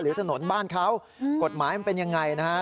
ถนนบ้านเขากฎหมายมันเป็นยังไงนะฮะ